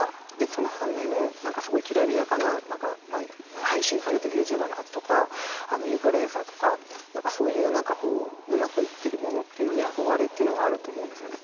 その半面、すごくきらびやかな配信されているＹｏｕＴｕｂｅｒの方とかインフルエンサーとかそういううまくいってるものというのに憧れというものがあると思うんですね。